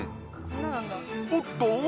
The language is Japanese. おっと？